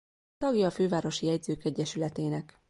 Tagja a Fővárosi Jegyzők Egyesületének.